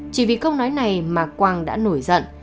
chỉ vì câu nói này mà quang đã nổi giận